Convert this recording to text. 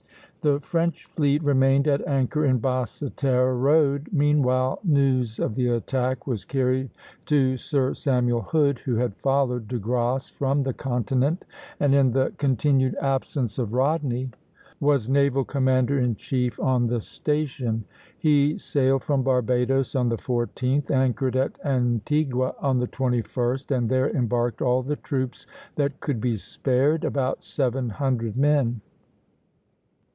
The French fleet remained at anchor in Basse Terre road. Meanwhile, news of the attack was carried to Sir Samuel Hood, who had followed De Grasse from the continent, and, in the continued absence of Rodney, was naval commander in chief on the station. He sailed from Barbadoes on the 14th, anchored at Antigua on the 21st, and there embarked all the troops that could be spared, about seven hundred men.